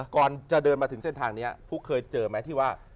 ก่อนจะเดินมาถึงเส้นทางนี้ฟุ๊กเคยเจอไหมที่ว่า